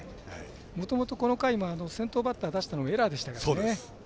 もともと、この回も先頭バッターを出したのがミスでしたからね。